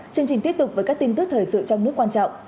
chương trình tiếp tục với các tin tức thời sự trong nước quan trọng